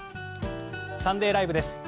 「サンデーＬＩＶＥ！！」です。